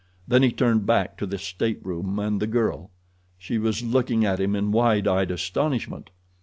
Then he turned back to the stateroom and the girl. She was looking at him in wide eyed astonishment.